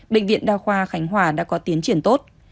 bệnh viện đa khoa khánh hòa đã có tiến triển tốt